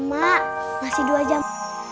mak masih dua jam